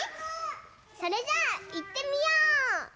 それじゃあいってみよう！